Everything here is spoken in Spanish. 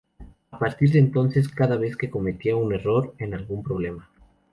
A partir de entonces, cada vez que cometía un error en algún problema.